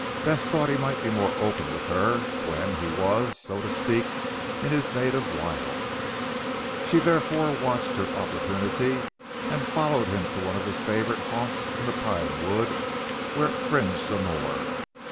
Bess thought that he might be more open with her, when he was so to speak in his native wilds. She therefore watched her opportunity, and followed him to one of his favourite haunts in the pine wood, where it fringed the moor.